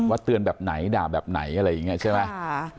เตือนแบบไหนด่าแบบไหนอะไรอย่างนี้ใช่ไหม